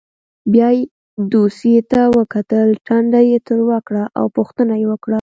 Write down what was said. بیا یې دوسیې ته وکتل ټنډه یې تروه کړه او پوښتنه یې وکړه.